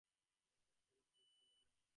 ইহা কষ্ট কি সুখ কে জানে!